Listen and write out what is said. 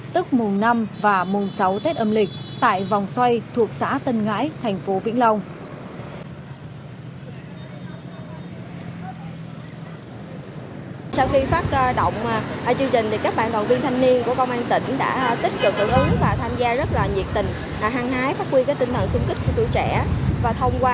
tức mùa năm tết nguyên đán